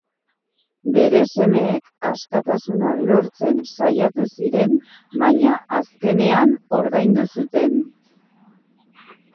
Bere semeek askatasuna lortzen saiatu ziren baina azkenean ordaindu zuten.